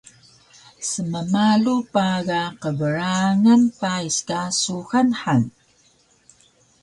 Smmalu paga qbrangan pais ka seuxal han